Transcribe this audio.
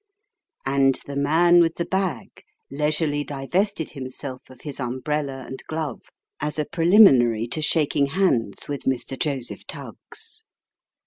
And the man with the bag leisurely divested himself of his umbrella and glove, as a preliminary to shaking hands with Mr. Joseph Tuggs.